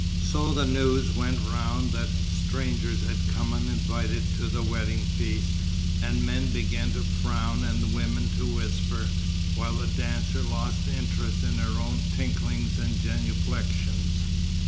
So the news went round that strangers had come uninvited to the wedding feast, and men began to frown and women to whisper, while the dancer lost interest in her own tinklings and genuflections.